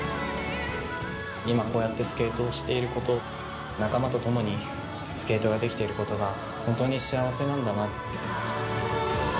今こうやってスケートをしていること、仲間と共にスケートができてることが、本当に幸せなんだな。